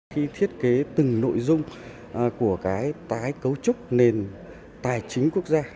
khi thiết kế từng nội dung của cái tái cấu trúc nền tài chính quốc gia